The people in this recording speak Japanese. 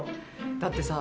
だってさ。